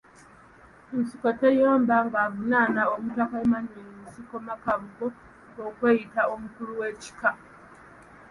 Nsikoteyomba ng'avunaana Omutaka Emmanuel Musoke Makabugo okweyita omukulu w'Ekika.